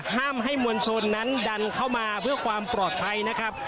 ห้ามให้มวลชนนั้นดันเข้ามาเพื่อความปลอดภัยนะครับ